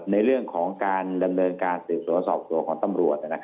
ในเรื่องของการดำเนินการสืบสวนสอบตัวของตำรวจ